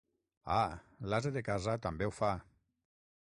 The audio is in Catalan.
Ah! L'ase de casa també ho fa.